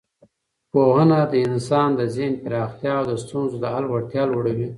پوهنه د انسان د ذهن پراختیا او د ستونزو د حل وړتیا لوړوي.